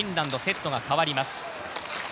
フィンランドセットが変わります。